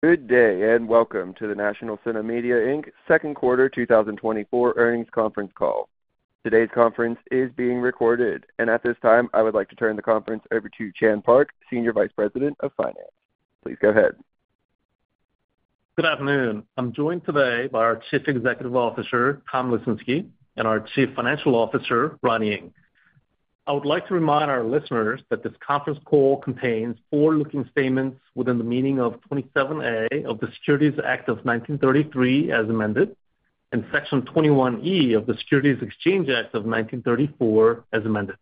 Good day, and welcome to the National CineMedia Inc's Second Quarter 2024 Earnings Conference Call. Today's conference is being recorded, and at this time, I would like to turn the conference over to Chan Park, Senior Vice President of Finance. Please go ahead. Good afternoon. I'm joined today by our Chief Executive Officer, Tom Lesinski, and our Chief Financial Officer, Ronnie Ng. I would like to remind our listeners that this conference call contains forward-looking statements within the meaning of 27A of the Securities Act of 1933 as amended, and Section 21E of the Securities Exchange Act of 1934 as amended.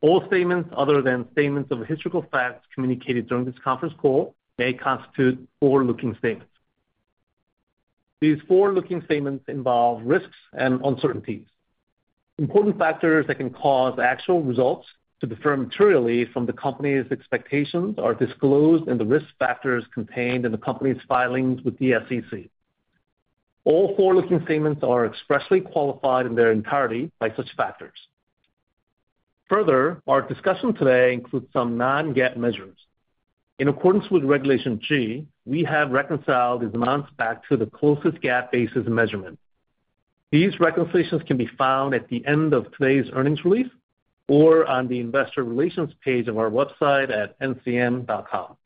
All statements other than statements of historical facts communicated during this conference call may constitute forward-looking statements. These forward-looking statements involve risks and uncertainties. Important factors that can cause actual results to differ materially from the company's expectations are disclosed in the risk factors contained in the company's filings with the SEC. All forward-looking statements are expressly qualified in their entirety by such factors. Further, our discussion today includes some non-GAAP measures. In accordance with Regulation G, we have reconciled these amounts back to the closest GAAP basis measurement. These reconciliations can be found at the end of today's earnings release or on the investor relations page of our website at ncm.com.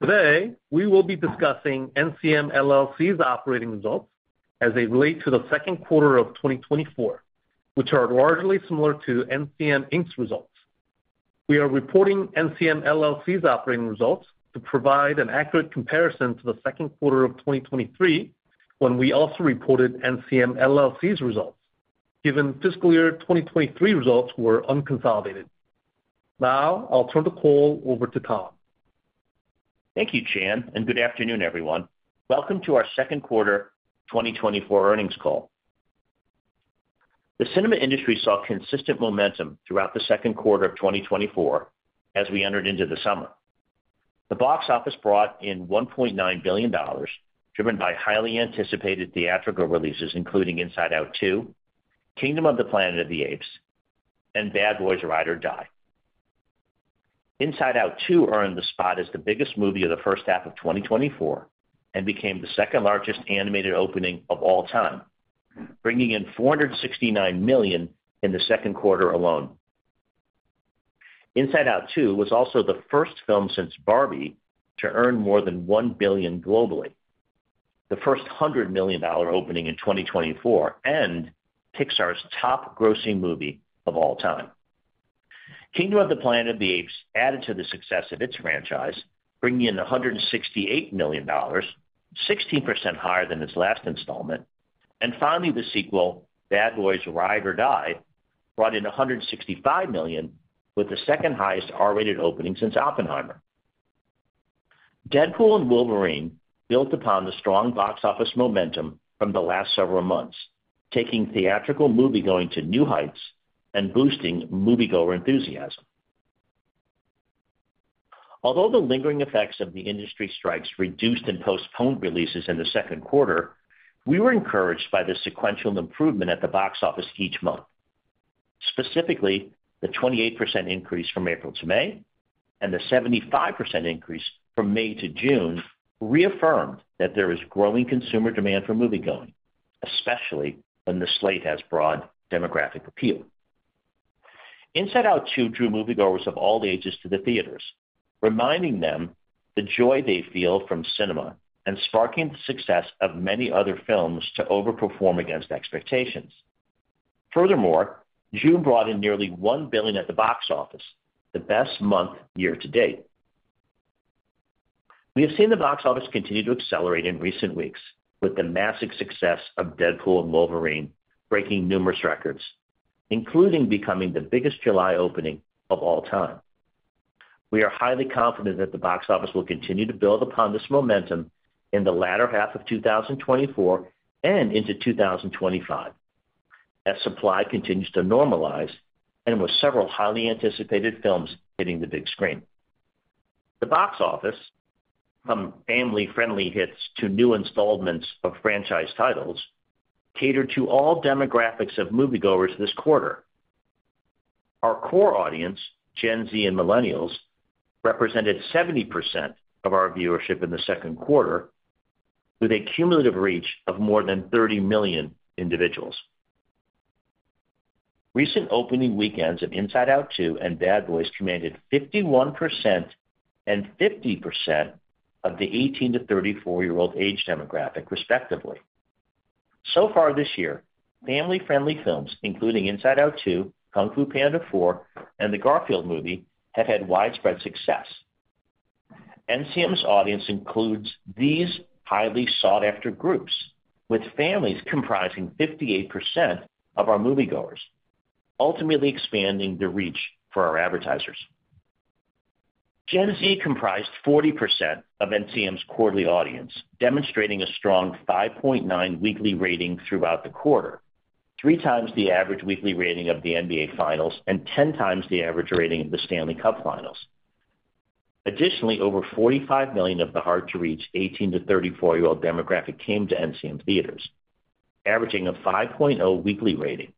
Today, we will be discussing NCM LLC's operating results as they relate to the second quarter of 2024, which are largely similar to NCM, Inc's results. We are reporting NCM LLC's operating results to provide an accurate comparison to the second quarter of 2023, when we also reported NCM LLC's results, given fiscal year 2023 results were unconsolidated. Now, I'll turn the call over to Tom. Thank you, Chan, and good afternoon, everyone. Welcome to our second quarter 2024 earnings call. The cinema industry saw consistent momentum throughout the second quarter of 2024 as we entered into the summer. The box office brought in $1.9 billion, driven by highly anticipated theatrical releases, including Inside Out 2, Kingdom of the Planet of the Apes, and Bad Boys: Ride or Die. Inside Out 2 earned the spot as the biggest movie of the first half of 2024 and became the second-largest animated opening of all time, bringing in $469 million in the second quarter alone. Inside Out 2 was also the first film since Barbie to earn more than $1 billion globally, the first $100 million opening in 2024, and Pixar's top grossing movie of all time. Kingdom of the Planet of the Apes added to the success of its franchise, bringing in $168 million, 16% higher than its last installment. Finally, the sequel, Bad Boys: Ride or Die, brought in $165 million, with the second highest R-rated opening since Oppenheimer. Deadpool & Wolverine built upon the strong box office momentum from the last several months, taking theatrical moviegoing to new heights and boosting moviegoer enthusiasm. Although the lingering effects of the industry strikes reduced and postponed releases in the second quarter, we were encouraged by the sequential improvement at the box office each month. Specifically, the 28% increase from April to May and the 75% increase from May to June reaffirmed that there is growing consumer demand for moviegoing, especially when the slate has broad demographic appeal. Inside Out 2 drew moviegoers of all ages to the theaters, reminding them the joy they feel from cinema and sparking the success of many other films to overperform against expectations. Furthermore, June brought in nearly $1 billion at the box office, the best month year to date. We have seen the box office continue to accelerate in recent weeks, with the massive success of Deadpool & Wolverine breaking numerous records, including becoming the biggest July opening of all time. We are highly confident that the box office will continue to build upon this momentum in the latter half of 2024 and into 2025, as supply continues to normalize and with several highly anticipated films hitting the big screen. The box office, from family-friendly hits to new installments of franchise titles, catered to all demographics of moviegoers this quarter. Our core audience, Gen Z and millennials, represented 70% of our viewership in the second quarter, with a cumulative reach of more than 30 million individuals. Recent opening weekends of Inside Out 2 and Bad Boys commanded 51% and 50% of the 18- to 34-year-old age demographic, respectively. So far this year, family-friendly films, including Inside Out 2, Kung Fu Panda 4, and The Garfield Movie, have had widespread success. NCM's audience includes these highly sought-after groups, with families comprising 58% of our moviegoers, ultimately expanding the reach for our advertisers. Gen Z comprised 40% of NCM's quarterly audience, demonstrating a strong 5.9 weekly rating throughout the quarter, three times the average weekly rating of the NBA Finals and 10 times the average rating of the Stanley Cup Finals. Additionally, over 45 million of the hard-to-reach 18- to 34-year-old demographic came to NCM theaters, averaging a 5.0 weekly rating,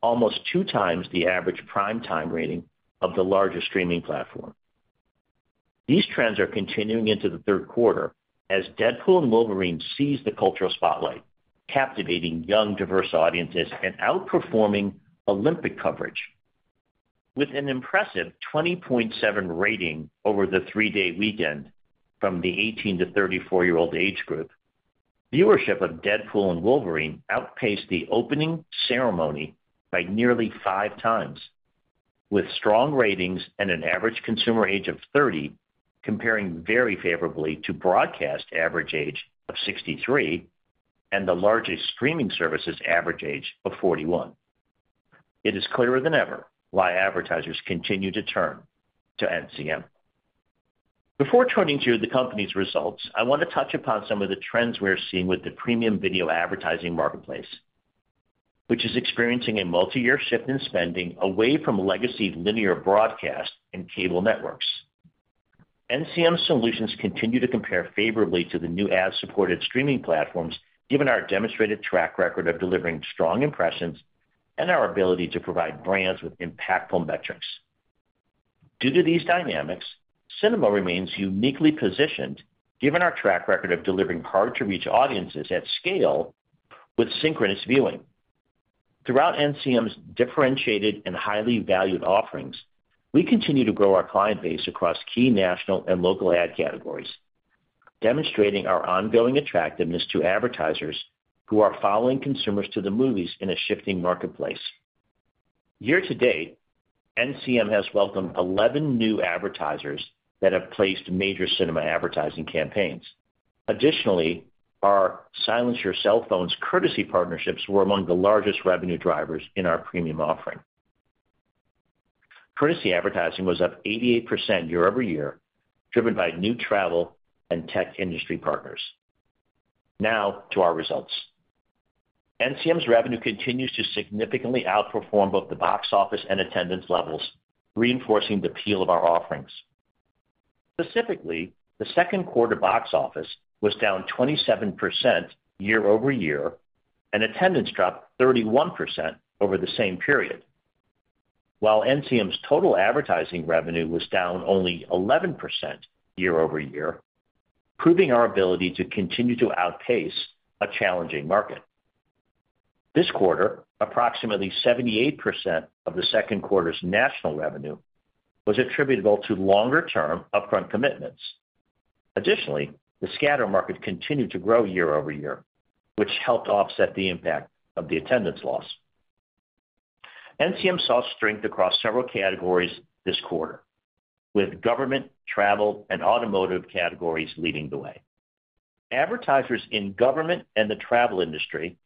almost two times the average primetime rating of the largest streaming platform. These trends are continuing into the third quarter as Deadpool & Wolverine seize the cultural spotlight, captivating young, diverse audiences and outperforming Olympic coverage. With an impressive 20.7 rating over the three-day weekend from the 18- to 34-year-old age group, viewership of Deadpool & Wolverine outpaced the opening ceremony by nearly five times, with strong ratings and an average consumer age of 30, comparing very favorably to broadcast average age of 63 and the largest streaming services average age of 41. It is clearer than ever why advertisers continue to turn to NCM. Before turning to the company's results, I want to touch upon some of the trends we are seeing with the premium video advertising marketplace, which is experiencing a multi-year shift in spending away from legacy linear broadcast and cable networks. NCM solutions continue to compare favorably to the new ad-supported streaming platforms, given our demonstrated track record of delivering strong impressions and our ability to provide brands with impactful metrics. Due to these dynamics, cinema remains uniquely positioned, given our track record of delivering hard-to-reach audiences at scale with synchronous viewing. Throughout NCM's differentiated and highly valued offerings, we continue to grow our client base across key national and local ad categories, demonstrating our ongoing attractiveness to advertisers who are following consumers to the movies in a shifting marketplace. Year to date, NCM has welcomed 11 new advertisers that have placed major cinema advertising campaigns. Additionally, our Silence Your Cell Phones courtesy partnerships were among the largest revenue drivers in our premium offering. Courtesy advertising was up 88% year-over-year, driven by new travel and tech industry partners. Now to our results. NCM's revenue continues to significantly outperform both the box office and attendance levels, reinforcing the appeal of our offerings. Specifically, the second quarter box office was down 27% year-over-year, and attendance dropped 31% over the same period, while NCM's total advertising revenue was down only 11% year-over-year, proving our ability to continue to outpace a challenging market. This quarter, approximately 78% of the second quarter's national revenue was attributable to longer-term Upfront commitments. Additionally, the scatter market continued to grow year-over-year, which helped offset the impact of the attendance loss. NCM saw strength across several categories this quarter, with government, travel and automotive categories leading the way. Advertisers in government and the travel industry,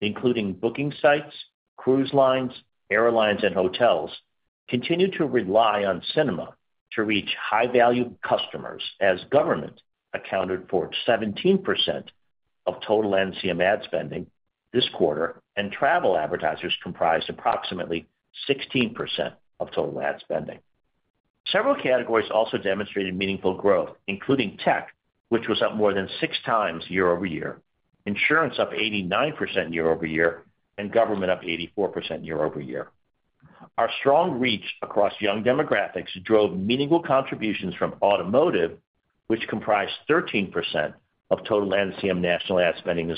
including booking sites, cruise lines, airlines and hotels, continue to rely on cinema to reach high-value customers, as government accounted for 17% of total NCM ad spending this quarter, and travel advertisers comprised approximately 16% of total ad spending. Several categories also demonstrated meaningful growth, including tech, which was up more than 6x year-over-year, insurance up 89% year-over-year, and government up 84% year-over-year. Our strong reach across young demographics drove meaningful contributions from automotive, which comprised 13% of total NCM national ad spending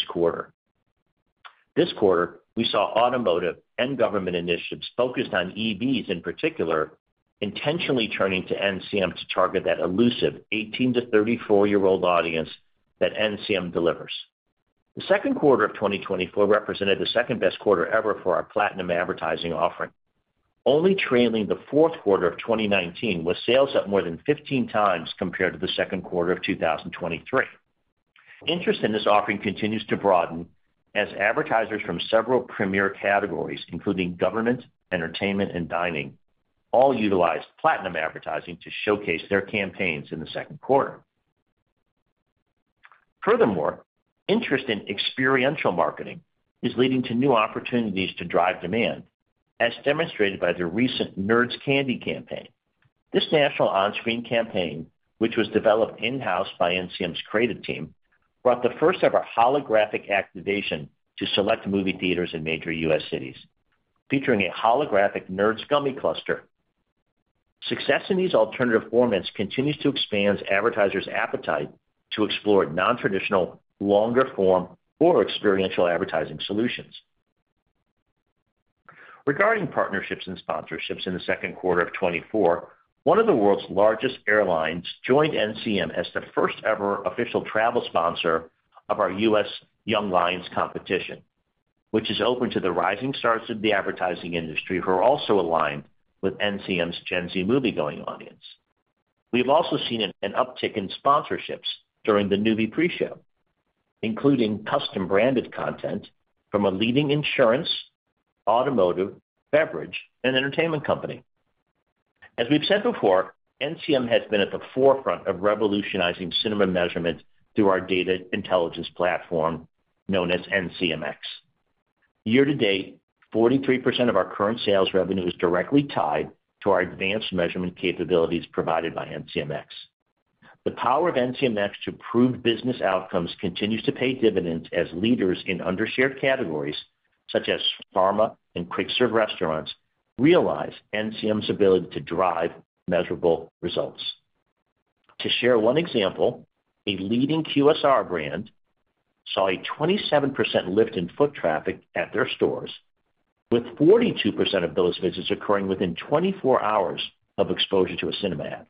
this quarter. This quarter, we saw automotive and government initiatives focused on EVs in particular, intentionally turning to NCM to target that elusive 18- to 34-year-old audience that NCM delivers. The second quarter of 2024 represented the second-best quarter ever for our Platinum advertising offering, only trailing the fourth quarter of 2019, with sales up more than 15 times compared to the second quarter of 2023. Interest in this offering continues to broaden as advertisers from several premier categories, including government, entertainment, and dining, all utilized Platinum advertising to showcase their campaigns in the second quarter. Furthermore, interest in experiential marketing is leading to new opportunities to drive demand, as demonstrated by the recent Nerds Candy campaign. This national on-screen campaign, which was developed in-house by NCM's creative team, brought the first-ever holographic activation to select movie theaters in major U.S. cities, featuring a holographic Nerds Gummy Cluster. Success in these alternative formats continues to expand advertisers' appetite to explore nontraditional, longer form or experiential advertising solutions. Regarding partnerships and sponsorships in the second quarter of 2024, one of the world's largest airlines joined NCM as the first ever official travel sponsor of our U.S. Young Lions Competition, which is open to the rising stars of the advertising industry, who are also aligned with NCM's Gen Z moviegoing audience. We've also seen an uptick in sponsorships during the Noovie pre-show, including custom-branded content from a leading insurance, automotive, beverage, and entertainment company. As we've said before, NCM has been at the forefront of revolutionizing cinema measurement through our data intelligence platform known as NCMx. Year to date, 43% of our current sales revenue is directly tied to our advanced measurement capabilities provided by NCMx.... The power of NCMx to prove business outcomes continues to pay dividends as leaders in under-shared categories, such as pharma and quick serve restaurants, realize NCM's ability to drive measurable results. To share one example, a leading QSR brand saw a 27% lift in foot traffic at their stores, with 42% of those visits occurring within 24 hours of exposure to a cinema ad.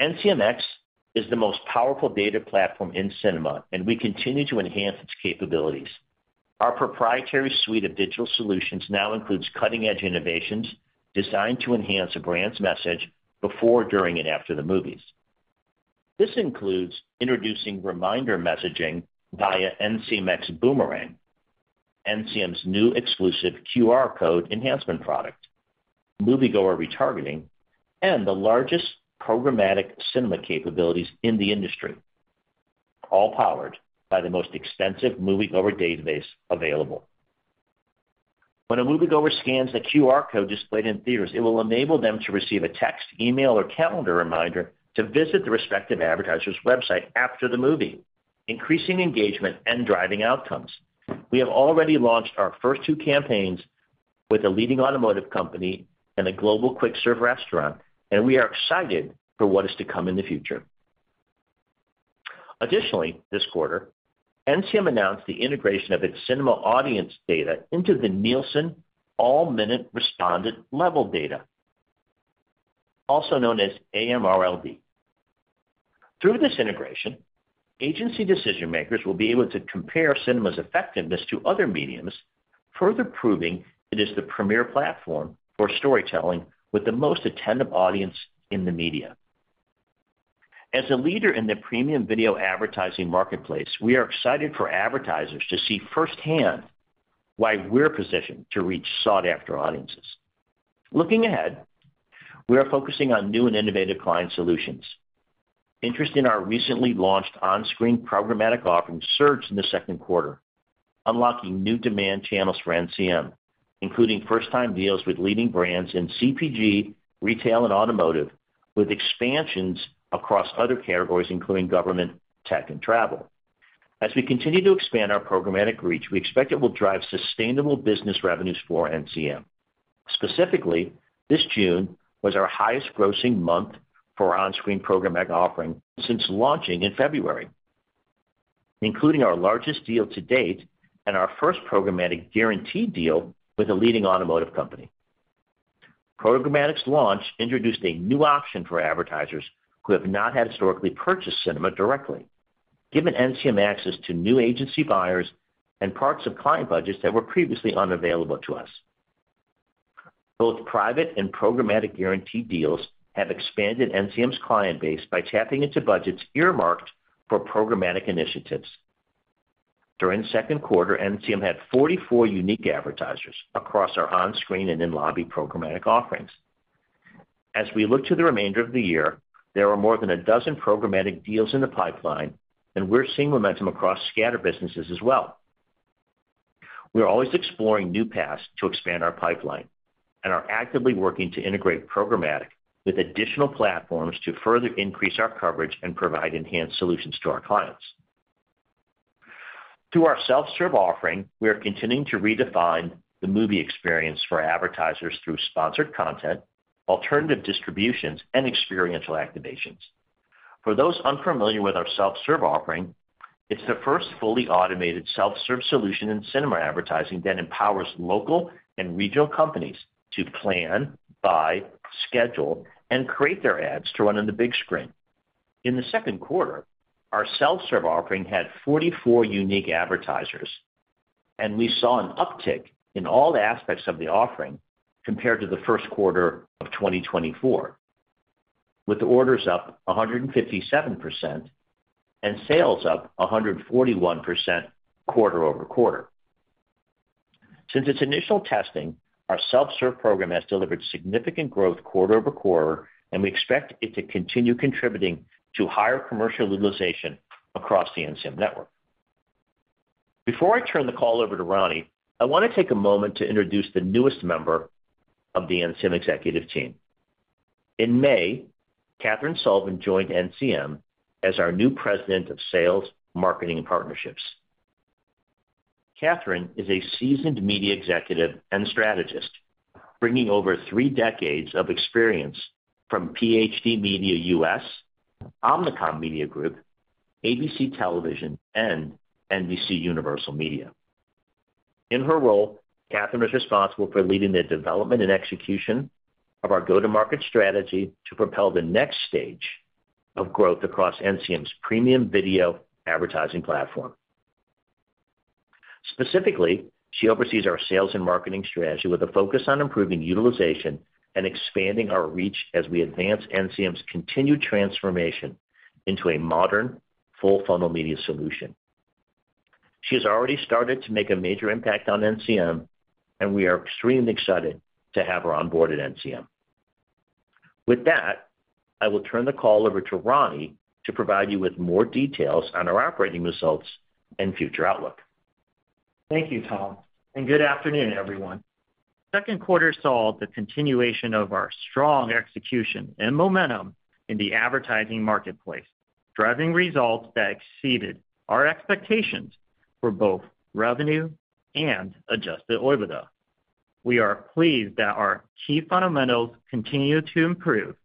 NCMx is the most powerful data platform in cinema, and we continue to enhance its capabilities. Our proprietary suite of digital solutions now includes cutting-edge innovations designed to enhance a brand's message before, during, and after the movies. This includes introducing reminder messaging via NCMx Boomerang, NCM's new exclusive QR code enhancement product, moviegoer retargeting, and the largest programmatic cinema capabilities in the industry, all powered by the most extensive moviegoer database available. When a moviegoer scans the QR code displayed in theaters, it will enable them to receive a text, email, or calendar reminder to visit the respective advertiser's website after the movie, increasing engagement and driving outcomes. We have already launched our first two campaigns with a leading automotive company and a global quick-serve restaurant, and we are excited for what is to come in the future. Additionally, this quarter, NCM announced the integration of its cinema audience data into the Nielsen All Minute Respondent Level Data, also known as AMRLD. Through this integration, agency decision-makers will be able to compare cinema's effectiveness to other media, further proving it is the premier platform for storytelling with the most attentive audience in the media. As a leader in the premium video advertising marketplace, we are excited for advertisers to see firsthand why we're positioned to reach sought-after audiences. Looking ahead, we are focusing on new and innovative client solutions. Interest in our recently launched on-screen programmatic offering surged in the second quarter, unlocking new demand channels for NCM, including first-time deals with leading brands in CPG, retail, and automotive, with expansions across other categories, including government, tech, and travel. As we continue to expand our programmatic reach, we expect it will drive sustainable business revenues for NCM. Specifically, this June was our highest grossing month for our on-screen programmatic offering since launching in February, including our largest deal to date and our first programmatic guaranteed deal with a leading automotive company. Programmatic's launch introduced a new option for advertisers who have not had historically purchased cinema directly, giving NCM access to new agency buyers and parts of client budgets that were previously unavailable to us. Both private and programmatic guaranteed deals have expanded NCM's client base by tapping into budgets earmarked for programmatic initiatives. During the second quarter, NCM had 44 unique advertisers across our on-screen and in-lobby programmatic offerings. As we look to the remainder of the year, there are more than 12 programmatic deals in the pipeline, and we're seeing momentum across scatter businesses as well. We are always exploring new paths to expand our pipeline and are actively working to integrate programmatic with additional platforms to further increase our coverage and provide enhanced solutions to our clients. Through our self-serve offering, we are continuing to redefine the movie experience for advertisers through sponsored content, alternative distributions, and experiential activations. For those unfamiliar with our self-serve offering, it's the first fully automated self-serve solution in cinema advertising that empowers local and regional companies to plan, buy, schedule, and create their ads to run on the big screen. In the second quarter, our self-serve offering had 44 unique advertisers, and we saw an uptick in all aspects of the offering compared to the first quarter of 2024, with orders up 157% and sales up 141% quarter-over-quarter. Since its initial testing, our self-serve program has delivered significant growth quarter-over-quarter, and we expect it to continue contributing to higher commercial utilization across the NCM network. Before I turn the call over to Ronnie, I want to take a moment to introduce the newest member of the NCM executive team. In May, Catherine Sullivan joined NCM as our new President of Sales, Marketing, and Partnerships. Catherine is a seasoned media executive and strategist, bringing over three decades of experience from PHD Media U.S., Omnicom Media Group, ABC Television, and NBCUniversal Media. In her role, Catherine is responsible for leading the development and execution of our go-to-market strategy to propel the next stage of growth across NCM's premium video advertising platform. Specifically, she oversees our sales and marketing strategy with a focus on improving utilization and expanding our reach as we advance NCM's continued transformation into a modern, full-funnel media solution. She has already started to make a major impact on NCM, and we are extremely excited to have her on board at NCM. With that, I will turn the call over to Ronnie to provide you with more details on our operating results and future outlook.... Thank you, Tom, and good afternoon, everyone. Second quarter saw the continuation of our strong execution and momentum in the advertising marketplace, driving results that exceeded our expectations for both revenue and adjusted OIBDA. We are pleased that our key fundamentals continue to improve,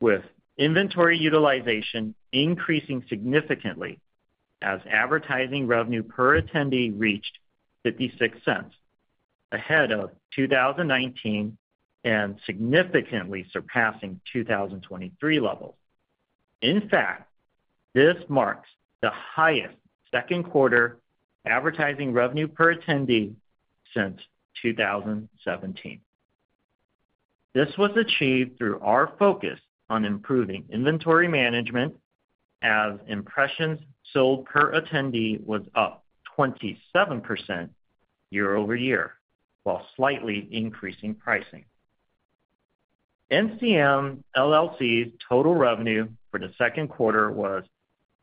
with inventory utilization increasing significantly as advertising revenue per attendee reached $0.56, ahead of 2019, and significantly surpassing 2023 levels. In fact, this marks the highest second quarter advertising revenue per attendee since 2017. This was achieved through our focus on improving inventory management, as impressions sold per attendee was up 27% year-over-year, while slightly increasing pricing. NCM LLC's total revenue for the second quarter was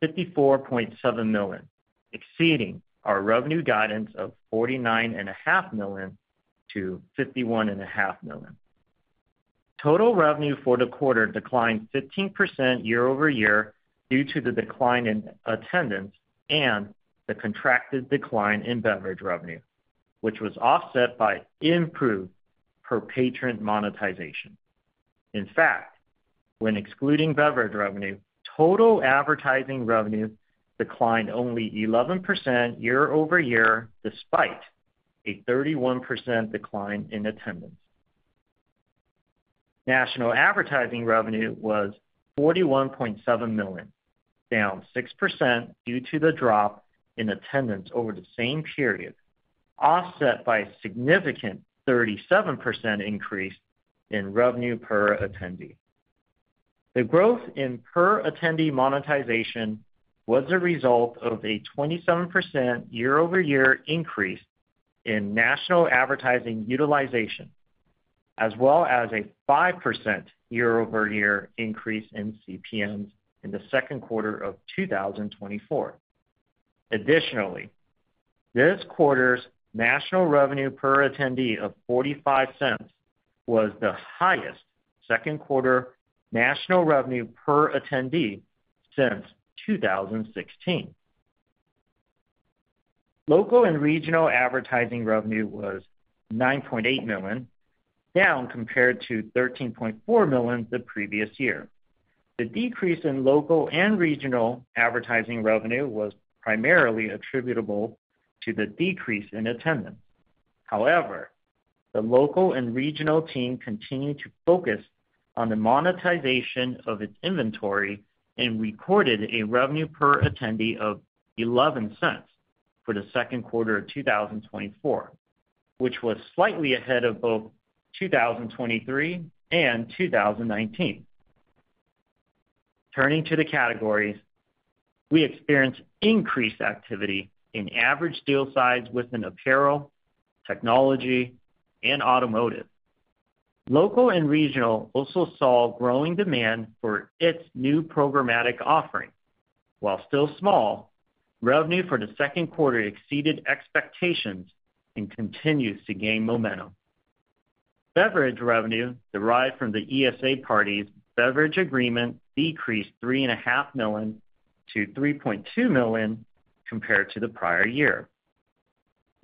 $54.7 million, exceeding our revenue guidance of $49.5 million-$51.5 million. Total revenue for the quarter declined 15% year-over-year due to the decline in attendance and the contracted decline in beverage revenue, which was offset by improved per-patron monetization. In fact, when excluding beverage revenue, total advertising revenue declined only 11% year-over-year, despite a 31% decline in attendance. National Advertising revenue was $41.7 million, down 6% due to the drop in attendance over the same period, offset by a significant 37% increase in revenue per attendee. The growth in per-attendee monetization was a result of a 27% year-over-year increase in National Advertising utilization, as well as a 5% year-over-year increase in CPMs in the second quarter of 2024. Additionally, this quarter's national revenue per attendee of $0.45 was the highest second quarter national revenue per attendee since 2016. Local and Regional Advertising revenue was $9.8 million, down compared to $13.4 million the previous year. The decrease in Local and Regional Advertising revenue was primarily attributable to the decrease in attendance. However, the Local and Regional team continued to focus on the monetization of its inventory and recorded a revenue per attendee of $0.11 for the second quarter of 2024, which was slightly ahead of both 2023 and 2019. Turning to the categories, we experienced increased activity in average deal size within apparel, technology, and automotive. Local and Regional also saw growing demand for its new programmatic offering. While still small, revenue for the second quarter exceeded expectations and continues to gain momentum. Beverage revenue derived from the ESA parties' beverage agreement decreased $3.5 million to $3.2 million compared to the prior year.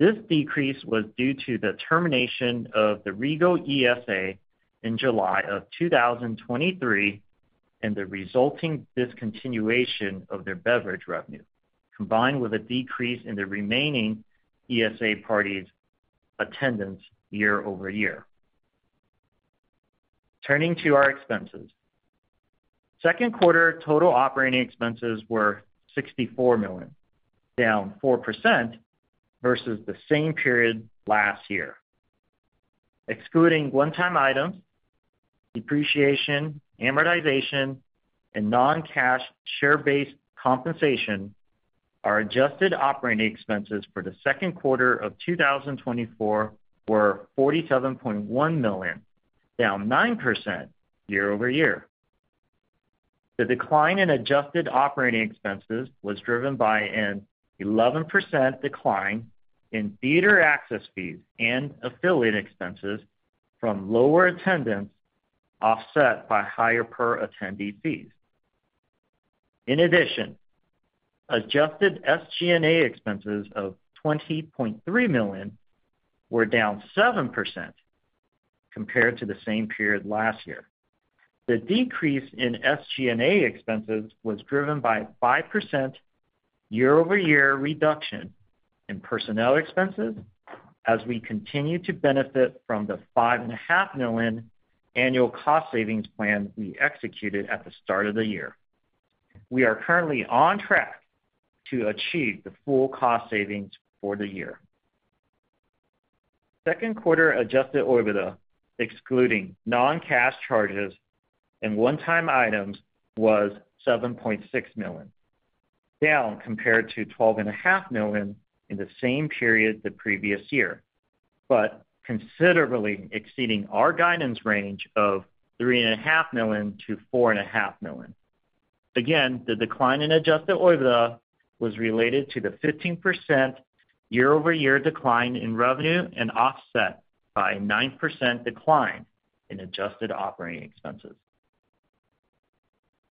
This decrease was due to the termination of the Regal ESA in July 2023, and the resulting discontinuation of their beverage revenue, combined with a decrease in the remaining ESA parties' attendance year-over-year. Turning to our expenses. Second quarter total operating expenses were $64 million, down 4% versus the same period last year. Excluding one-time items, depreciation, amortization, and non-cash share-based compensation, our adjusted operating expenses for the second quarter of 2024 were $47.1 million, down 9% year-over-year. The decline in adjusted operating expenses was driven by an 11% decline in theater access fees and affiliate expenses from lower attendance, offset by higher per-attendee fees. In addition, adjusted SG&A expenses of $20.3 million were down 7% compared to the same period last year. The decrease in SG&A expenses was driven by 5% year-over-year reduction in personnel expenses as we continue to benefit from the $5.5 million annual cost savings plan we executed at the start of the year. We are currently on track to achieve the full cost savings for the year. Second quarter adjusted OIBDA, excluding non-cash charges and one-time items, was $7.6 million, down compared to $12.5 million in the same period the previous year, but considerably exceeding our guidance range of $3.5 million-$4.5 million. Again, the decline in adjusted OIBDA was related to the 15% year-over-year decline in revenue and offset by a 9% decline in adjusted operating expenses.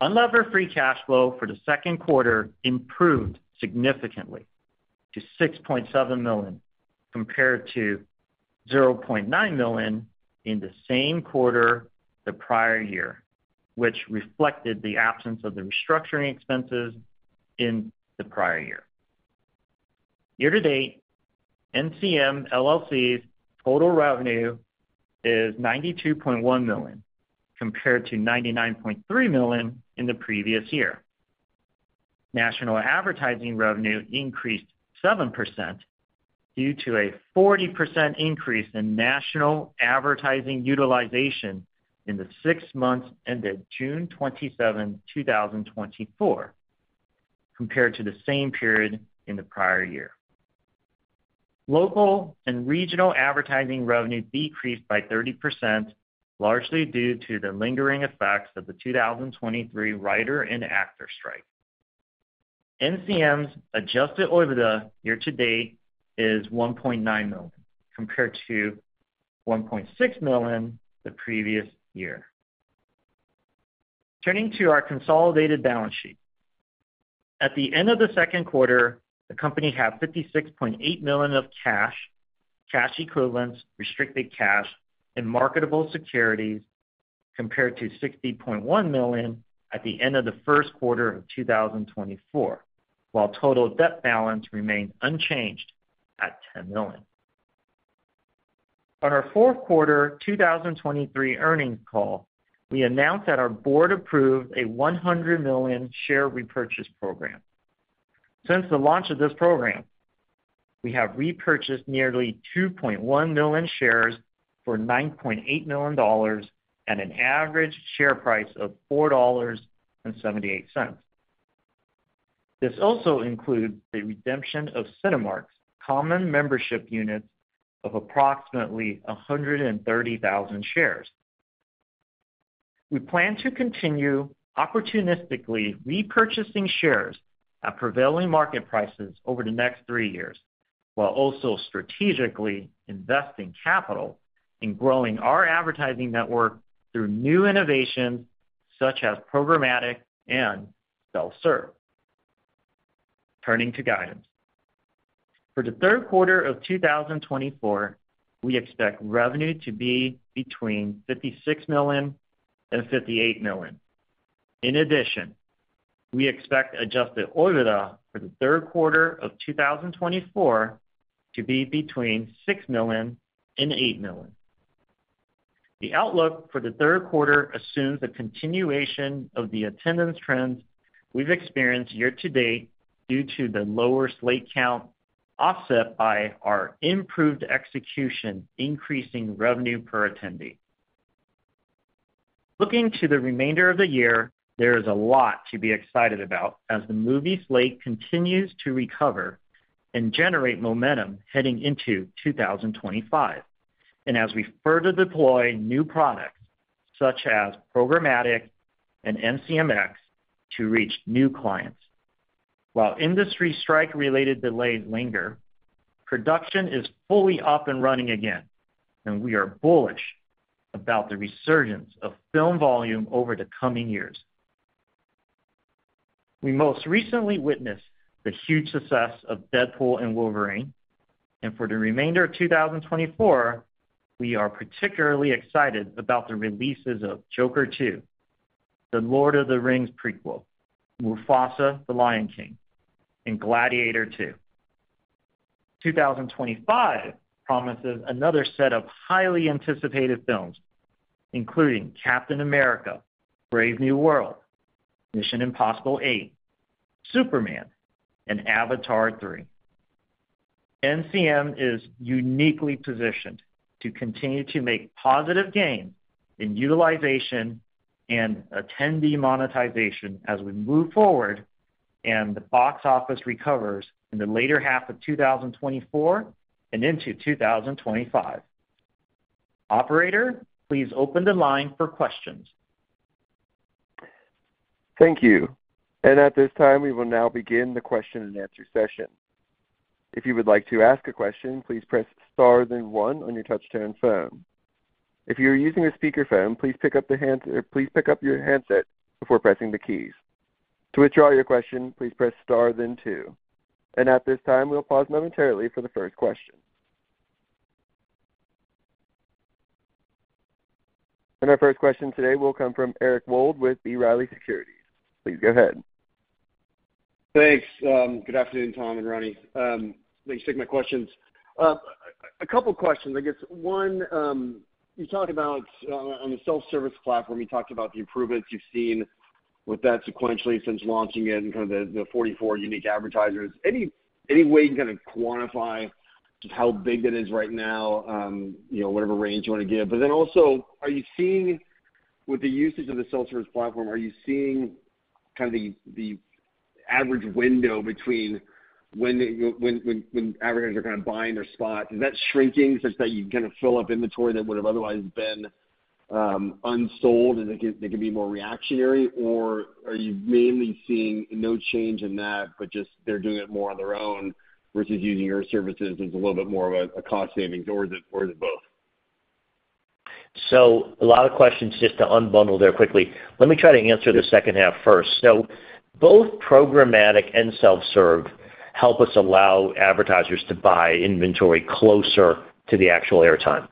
Unlevered free cash flow for the second quarter improved significantly to $6.7 million, compared to $0.9 million in the same quarter the prior year, which reflected the absence of the restructuring expenses in the prior year. Year-to-date, NCM LLC's total revenue is $92.1 million, compared to $99.3 million in the previous year. National Advertising revenue increased 7% due to a 40% increase in National Advertising utilization in the six months ended June 27th, 2024, compared to the same period in the prior year. Local and Regional Advertising revenue decreased by 30%, largely due to the lingering effects of the 2023 writer and actor strike. NCM's adjusted OIBDA year-to-date is $1.9 million, compared to $1.6 million the previous year. Turning to our consolidated balance sheet. At the end of the second quarter, the company had $56.8 million of cash, cash equivalents, restricted cash, and marketable securities, compared to $60.1 million at the end of the first quarter of 2024, while total debt balance remained unchanged at $10 million. On our fourth quarter 2023 earnings call, we announced that our board approved a $100 million share repurchase program. Since the launch of this program, we have repurchased nearly 2.1 million shares for $9.8 million at an average share price of $4.78. This also includes the redemption of Cinemark's common membership units of approximately 130,000 shares. We plan to continue opportunistically repurchasing shares at prevailing market prices over the next three years, while also strategically investing capital in growing our advertising network through new innovations such as programmatic and self-serve. Turning to guidance. For the third quarter of 2024, we expect revenue to be between $56 million and $58 million. In addition, we expect adjusted OIBDA for the third quarter of 2024 to be between $6 million and $8 million. The outlook for the third quarter assumes a continuation of the attendance trends we've experienced year-to-date due to the lower slate count, offset by our improved execution, increasing revenue per attendee. Looking to the remainder of the year, there is a lot to be excited about as the movie slate continues to recover and generate momentum heading into 2025, and as we further deploy new products such as programmatic and NCMx to reach new clients. While industry strike-related delays linger, production is fully up and running again, and we are bullish about the resurgence of film volume over the coming years. We most recently witnessed the huge success of Deadpool & Wolverine, and for the remainder of 2024, we are particularly excited about the releases of Joker 2, The Lord of the Rings prequel, Mufasa: The Lion King, and Gladiator 2. 2025 promises another set of highly anticipated films, including Captain America: Brave New World, Mission: Impossible 8, Superman, and Avatar 3. NCM is uniquely positioned to continue to make positive gains in utilization and attendee monetization as we move forward and the box office recovers in the later half of 2024 and into 2025. Operator, please open the line for questions. Thank you. At this time, we will now begin the question-and-answer session. If you would like to ask a question, please press star then one on your touch-tone phone. If you are using a speakerphone, please pick up your handset before pressing the keys. To withdraw your question, please press star then two. At this time, we'll pause momentarily for the first question. Our first question today will come from Eric Wold with B. Riley Securities. Please go ahead. Thanks. Good afternoon, Tom and Ronnie. Thanks for taking my questions. A couple questions, I guess. One, you talked about on the self-service platform, you talked about the improvements you've seen with that sequentially since launching it and kind of the 44 unique advertisers. Any way you can kind of quantify just how big that is right now, you know, whatever range you want to give? But then also, are you seeing with the usage of the self-service platform, are you seeing kind of the average window between when the advertisers are kind of buying their spots, is that shrinking such that you kind of fill up inventory that would have otherwise been unsold, and they can be more reactionary? Or are you mainly seeing no change in that, but just they're doing it more on their own versus using your services as a little bit more of a cost savings, or is it both? A lot of questions just to unbundle there quickly. Let me try to answer the second half first. Both programmatic and self-serve help us allow advertisers to buy inventory closer to the actual airtime.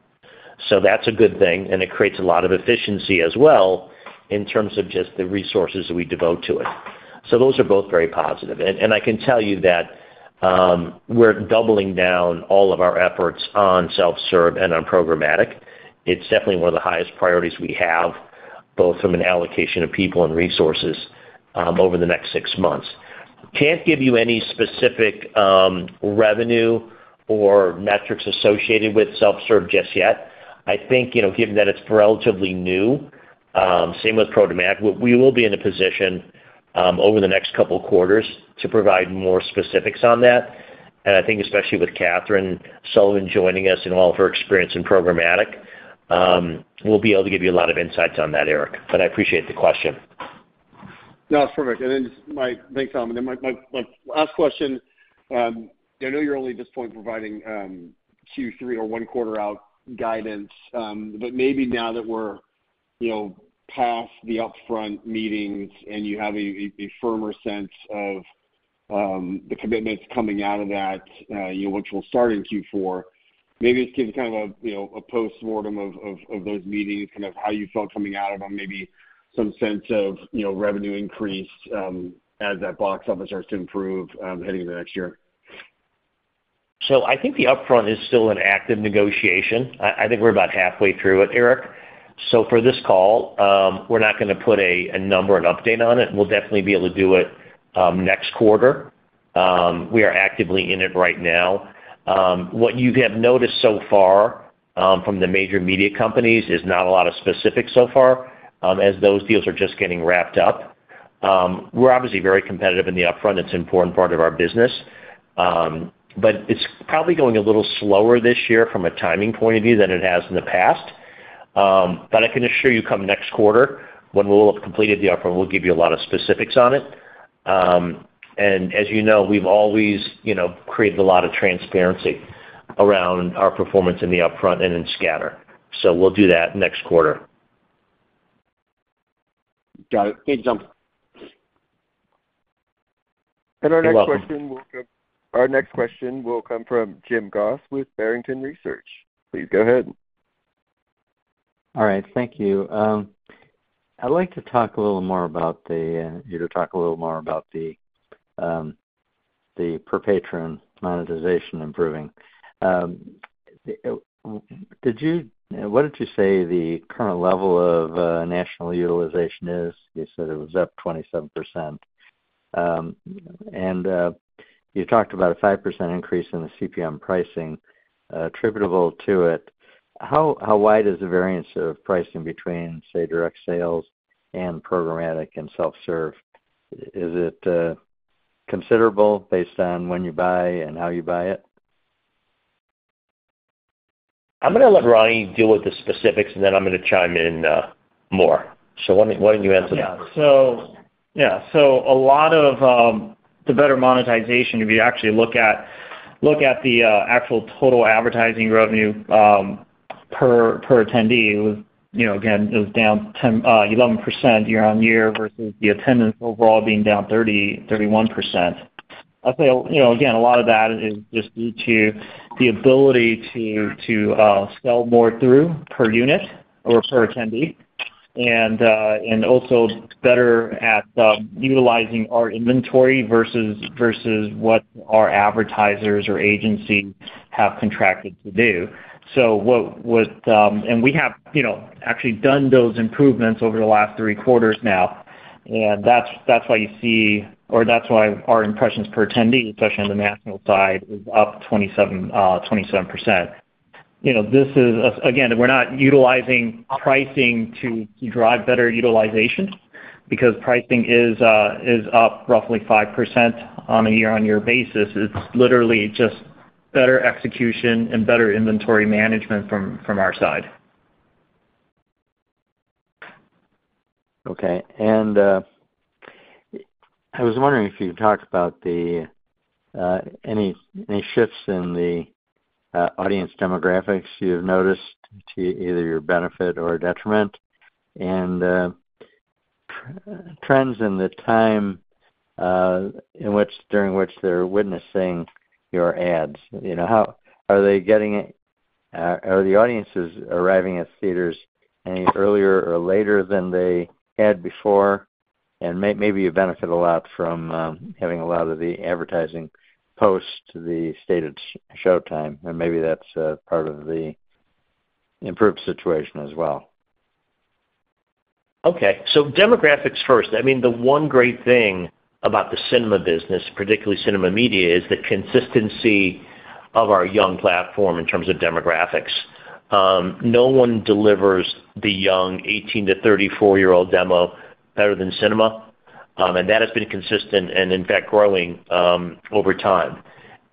That's a good thing, and it creates a lot of efficiency as well in terms of just the resources we devote to it. Those are both very positive. And I can tell you that we're doubling down all of our efforts on self-serve and on programmatic. It's definitely one of the highest priorities we have, both from an allocation of people and resources over the next six months. Can't give you any specific revenue or metrics associated with self-serve just yet. I think, you know, given that it's relatively new, same with programmatic, we will be in a position, over the next couple quarters to provide more specifics on that. And I think especially with Catherine Sullivan joining us and all of her experience in programmatic, we'll be able to give you a lot of insights on that, Eric, but I appreciate the question. No, it's perfect. Thanks, Tom. And then my last question, I know you're only at this point providing Q3 or one quarter out guidance, but maybe now that we're, you know, past the Upfront meetings and you have a firmer sense of the commitments coming out of that, you know, which will start in Q4, maybe just give kind of a, you know, a postmortem of those meetings, kind of how you felt coming out of them, maybe some sense of, you know, revenue increase as that box office starts to improve heading into next year. I think the Upfront is still an active negotiation. I think we're about halfway through it, Eric. For this call, we're not gonna put a number, an update on it. We'll definitely be able to do it next quarter. We are actively in it right now. What you have noticed so far from the major media companies is not a lot of specifics so far, as those deals are just getting wrapped up. We're obviously very competitive in the Upfront. It's an important part of our business. But it's probably going a little slower this year from a timing point of view than it has in the past. But I can assure you, come next quarter, when we'll have completed the Upfront, we'll give you a lot of specifics on it. As you know, we've always, you know, created a lot of transparency around our performance in the Upfront and in scatter, so we'll do that next quarter. Got it. Thanks, Tom. You're welcome. Our next question will come from Jim Goss with Barrington Research. Please go ahead. All right, thank you. I'd like to talk a little more about the per patron monetization improving. Did you? What did you say the current level of national utilization is? You said it was up 27%. And you talked about a 5% increase in the CPM pricing attributable to it. How wide is the variance of pricing between, say, direct sales and programmatic and self-serve? Is it considerable based on when you buy and how you buy it? I'm gonna let Ronnie deal with the specifics, and then I'm gonna chime in, more. So why don't you answer that? So yeah. So a lot of the better monetization, if you actually look at the actual total advertising revenue per attendee, it was, you know, again, it was down 10%-11% year-on-year versus the attendance overall being down 30%-31%. I'll say, you know, again, a lot of that is just due to the ability to sell more through per unit or per attendee, and also better at utilizing our inventory versus what our advertisers or agencies have contracted to do. We have, you know, actually done those improvements over the last three quarters now, and that's why you see, or that's why our impressions per attendee, especially on the national side, is up 27%. You know, this is, again, we're not utilizing pricing to drive better utilization because pricing is up roughly 5% on a year-on-year basis. It's literally just better execution and better inventory management from our side. Okay. And I was wondering if you could talk about the any shifts in the audience demographics you've noticed to either your benefit or detriment, and trends in the time in which, during which they're witnessing your ads. You know, how... Are they getting it, are the audiences arriving at theaters any earlier or later than they had before? And maybe you benefit a lot from having a lot of the advertising post the stated showtime, and maybe that's part of the improved situation as well. Okay. So demographics first. I mean, the one great thing about the cinema business, particularly cinema media, is the consistency of our young platform in terms of demographics. No one delivers the young 18- to 34-year-old demo better than cinema. And that has been consistent, and in fact, growing, over time.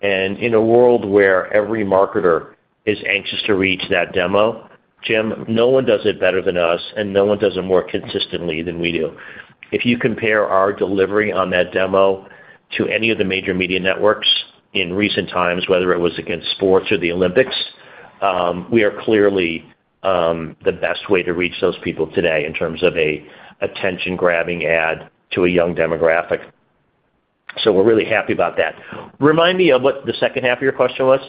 And in a world where every marketer is anxious to reach that demo, Jim, no one does it better than us, and no one does it more consistently than we do. If you compare our delivery on that demo to any of the major media networks in recent times, whether it was against sports or the Olympics, we are clearly the best way to reach those people today in terms of an attention-grabbing ad to a young demographic. So we're really happy about that. Remind me of what the second half of your question was?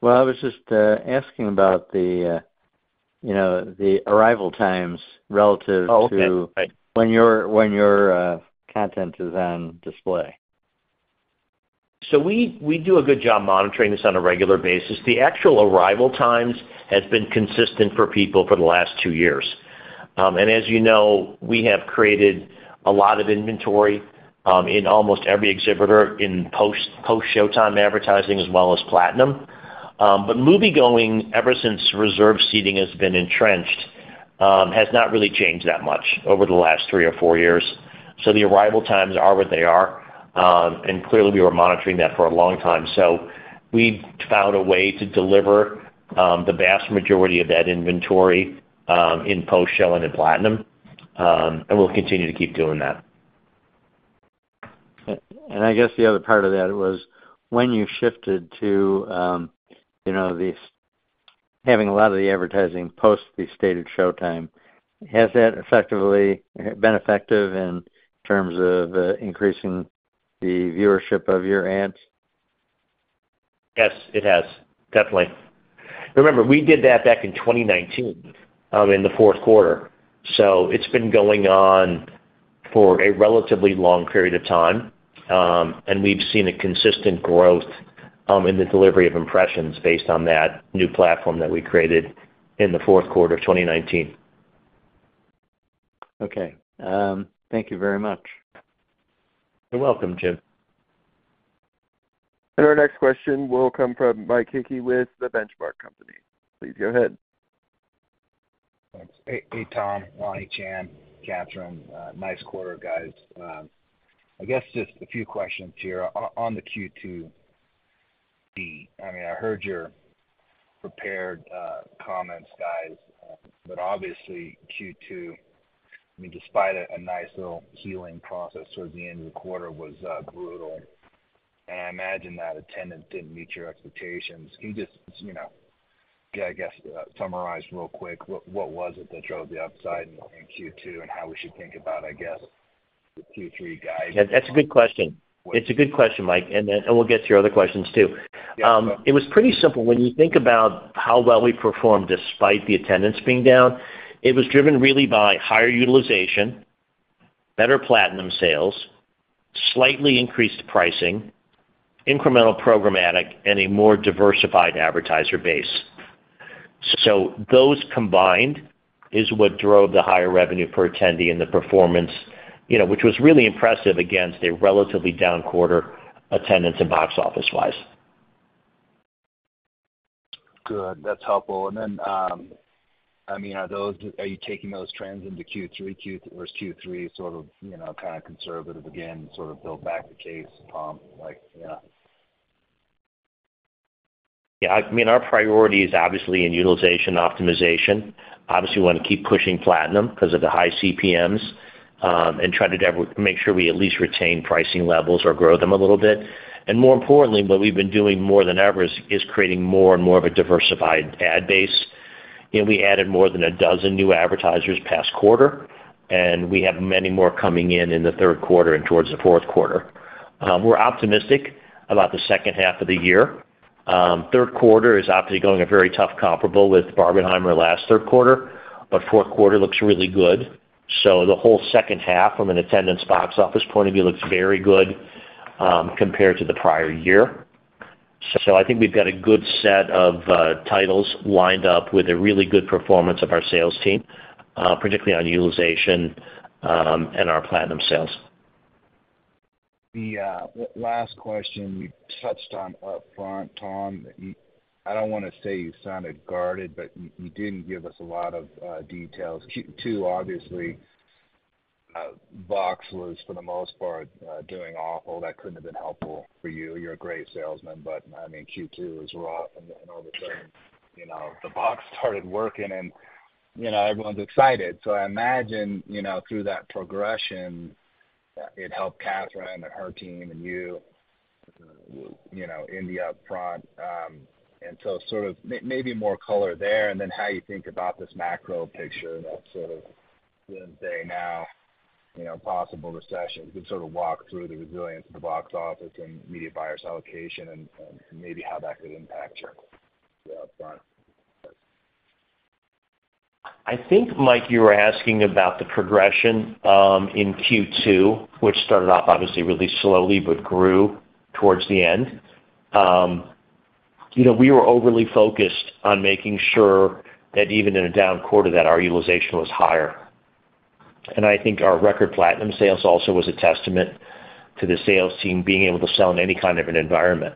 Well, I was just asking about the, you know, the arrival times relative to- Oh, okay. -when your content is on display. So we do a good job monitoring this on a regular basis. The actual arrival times has been consistent for people for the last two years. As you know, we have created a lot of inventory in almost every exhibitor in post-showtime advertising, as well as Platinum. But moviegoing, ever since reserved seating has been entrenched, has not really changed that much over the last three or four years. So the arrival times are what they are, and clearly, we were monitoring that for a long time. So we found a way to deliver the vast majority of that inventory in post-showing and Platinum, and we'll continue to keep doing that. I guess the other part of that was when you shifted to, you know, these, having a lot of the advertising post the stated showtime, has that effectively, been effective in terms of, increasing the viewership of your ads? Yes, it has. Definitely. Remember, we did that back in 2019, in the fourth quarter, so it's been going on for a relatively long period of time. And we've seen a consistent growth, in the delivery of impressions based on that new platform that we created in the fourth quarter of 2019. Okay. Thank you very much. You're welcome, Jim. Our next question will come from Mike Hickey with The Benchmark Company. Please go ahead. Thanks. Hey, hey, Tom, Ronnie, Chan, Catherine. Nice quarter, guys. I guess just a few questions here. On the Q2, I mean, I heard your prepared comments, guys, but obviously, Q2, I mean, despite a nice little healing process towards the end of the quarter, was brutal. And I imagine that attendance didn't meet your expectations. Can you just, you know, I guess, summarize real quick, what was it that drove the upside in Q2 and how we should think about the Q3 guidance? That's a good question. It's a good question, Mike, and then, and we'll get to your other questions, too. Yeah. It was pretty simple. When you think about how well we performed despite the attendance being down, it was driven really by higher utilization, better Platinum sales, slightly increased pricing, incremental programmatic, and a more diversified advertiser base. So those combined is what drove the higher revenue per attendee and the performance, you know, which was really impressive against a relatively down quarter, attendance and box office-wise. Good. That's helpful. And then, I mean, are you taking those trends into Q3, Q, or is Q3 sort of, you know, kind of conservative again, sort of build back the case, like, yeah. Yeah, I mean, our priority is obviously in utilization optimization. Obviously, we want to keep pushing Platinum because of the high CPMs, and try to make sure we at least retain pricing levels or grow them a little bit. And more importantly, what we've been doing more than ever is creating more and more of a diversified ad base. You know, we added more than a dozen new advertisers past quarter, and we have many more coming in in the third quarter and towards the fourth quarter. We're optimistic about the second half of the year. Third quarter is obviously going a very tough comparable with Barbenheimer last third quarter, but fourth quarter looks really good. So the whole second half from an attendance box office point of view, looks very good, compared to the prior year. So I think we've got a good set of titles lined up with a really good performance of our sales team, particularly on utilization, and our Platinum sales. The last question you touched on Upfront, Tom, I don't want to say you sounded guarded, but you didn't give us a lot of details. Q2, obviously, box was, for the most part, doing awful. That couldn't have been helpful for you. You're a great salesman, but I mean, Q2 was rough, and all of a sudden, you know, the box started working and, you know, everyone's excited. So I imagine, you know, through that progression, it helped Catherine and her team and you, you know, in the Upfront. And so sort of maybe more color there, and then how you think about this macro picture that's sort of the day now, you know, possible recession. You can sort of walk through the resilience of the box office and media buyers' allocation and maybe how that could impact your, the Upfront. I think, Mike, you were asking about the progression, in Q2, which started off obviously really slowly, but grew towards the end. You know, we were overly focused on making sure that even in a down quarter, that our utilization was higher. And I think our record Platinum sales also was a testament to the sales team being able to sell in any kind of an environment.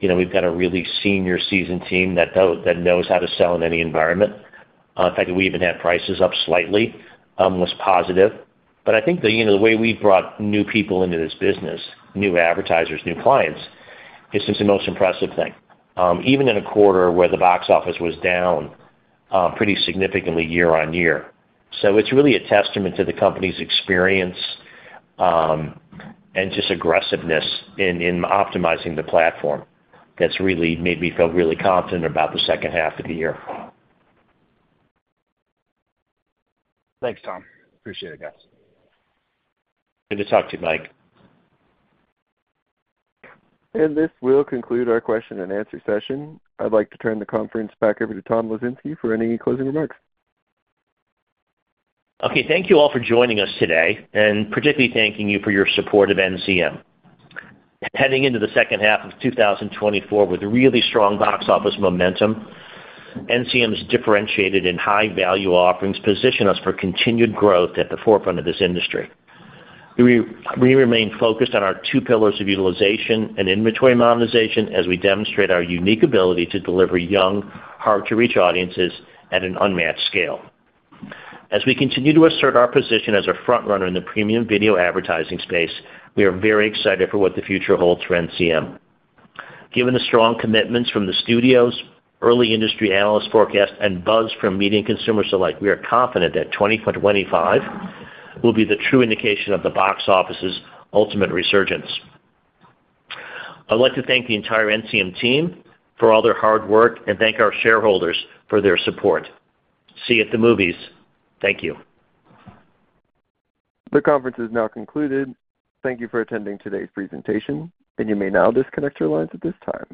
You know, we've got a really senior seasoned team that knows how to sell in any environment. In fact, we even had prices up slightly, was positive. But I think, you know, the way we brought new people into this business, new advertisers, new clients, is just the most impressive thing, even in a quarter where the box office was down, pretty significantly year-on-year. So it's really a testament to the company's experience and just aggressiveness in optimizing the platform. That's really made me feel really confident about the second half of the year. Thanks, Tom. Appreciate it, guys. Good to talk to you, Mike. This will conclude our question and answer session. I'd like to turn the conference back over to Tom Lesinski for any closing remarks. Okay. Thank you all for joining us today, and particularly thanking you for your support of NCM. Heading into the second half of 2024 with really strong box office momentum, NCM's differentiated in high value offerings, position us for continued growth at the forefront of this industry. We remain focused on our two pillars of utilization and inventory monetization as we demonstrate our unique ability to deliver young, hard-to-reach audiences at an unmatched scale. As we continue to assert our position as a front runner in the premium video advertising space, we are very excited for what the future holds for NCM. Given the strong commitments from the studios, early industry analyst forecast, and buzz from media and consumer alike, we are confident that 2025 will be the true indication of the box office's ultimate resurgence. I'd like to thank the entire NCM team for all their hard work and thank our shareholders for their support. See you at the movies. Thank you. The conference is now concluded. Thank you for attending today's presentation, and you may now disconnect your lines at this time.